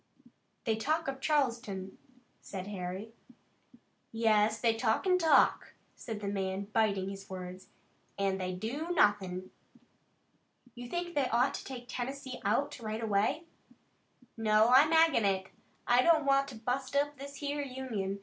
"They talk of Charleston," said Harry. "Yes, they talk an' talk," said the man, biting his words, "an' they do nothin'." "You think they ought to take Tennessee out right away?" "No, I'm ag'in it. I don't want to bust up this here Union.